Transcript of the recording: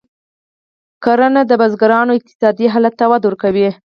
کرنه د بزګرانو اقتصادي حالت ته وده ورکوي.